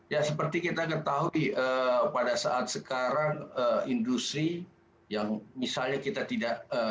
ya seperti kita ketahui pada saat sekarang industri yang misalnya kita tidak